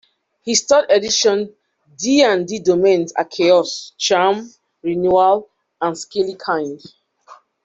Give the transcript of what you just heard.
His Third Edition D and D domains are Chaos, Charm, Renewal, and Scalykind.